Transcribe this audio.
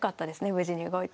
無事に動いて。